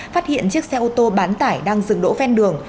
phát hiện chiếc xe ô tô bán tải đang dừng đỗ ven đường